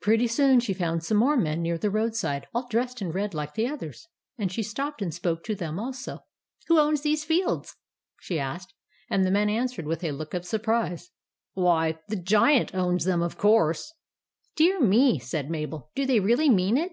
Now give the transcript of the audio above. Pretty soon she found some more men near the roadside, all dressed in red like the others ; and she stopped and spoke to them also. " Who owns these fields ?" she asked. And the men answered with a look of surprise, —" Why, the Giant owns them, of course/' "Dear me!" said Mabel. "Do they really mean it